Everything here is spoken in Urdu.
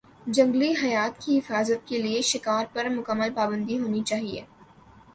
جنگلی حیات کی حفاظت کے لیے شکار پر مکمل پابندی ہونی چاہیے